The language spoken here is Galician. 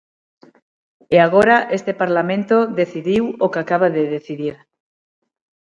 E agora este Parlamento decidiu o que acaba de decidir.